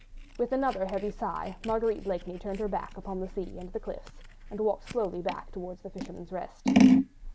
With another heavy sigh, Marguerite Blakeney turned her back upon the sea and cliffs, and walked slowly back towards "The Fisherman's Rest."